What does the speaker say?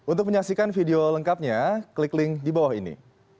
untuk menyaksikan video lengkapnya klik link di bawah ini